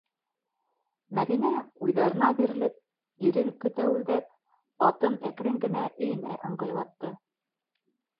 Мәҙинә, уйҙарына бирелеп, ирен көтәүелдәп, атын әкрен генә өйөнә ыңғайлатты.